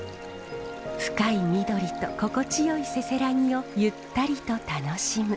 深い緑と心地よいせせらぎをゆったりと楽しむ。